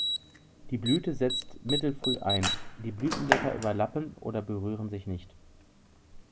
Die Blüte setzt mittelfrüh ein, die Blütenblätter überlappen oder berühren sich nicht.